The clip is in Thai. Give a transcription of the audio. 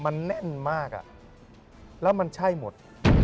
มันแน่นมากอ่ะแล้วมันใช่หมด